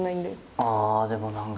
ああでもなんか。